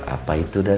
apa itu dadah